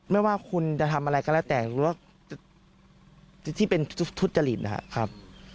ไม่ว่าคุณจะทำอะไรก็แล้วแต่หรือว่าที่เป็นทุจริตนะครับ